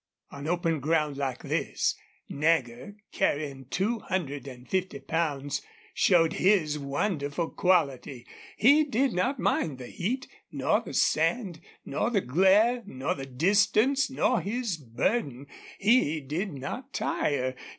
On open ground like this, Nagger, carrying two hundred and fifty pounds, showed his wonderful quality. He did not mind the heat nor the sand nor the glare nor the distance nor his burden. He did not tire.